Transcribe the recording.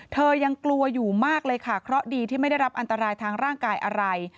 ยังกลัวอยู่มากเลยค่ะเคราะห์ดีที่ไม่ได้รับอันตรายทางร่างกายอะไร